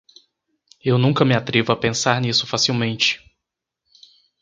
Eu nunca me atrevo a pensar nisso facilmente